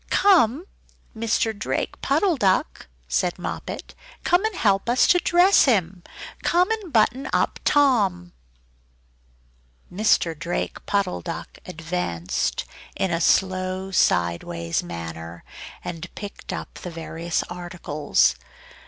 "Come! Mr. Drake Puddle Duck," said Moppet "Come and help us to dress him! Come and button up Tom!" Mr. Drake Puddle Duck advanced in a slow sideways manner, and picked up the various articles.